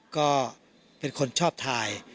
ก็เป็นคนชอบถ่าย